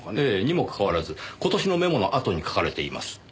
にもかかわらず今年のメモのあとに書かれています。